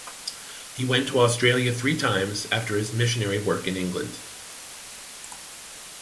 He went to Australia three times after his missionary work in England.